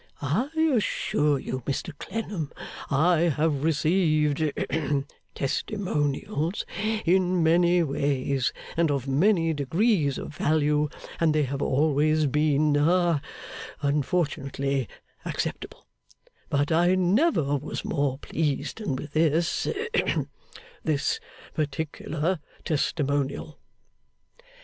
I assure you, Mr Clennam, I have received hem Testimonials in many ways, and of many degrees of value, and they have always been ha unfortunately acceptable; but I never was more pleased than with this ahem this particular Testimonial.